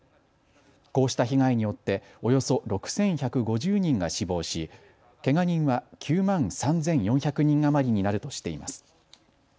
こうした被害によっておよそ６１５０人が死亡しけが人は９万３４００人余りになるとしています。